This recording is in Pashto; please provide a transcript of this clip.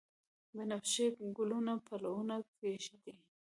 بنفشیې ګلونه پلونه کښیږدي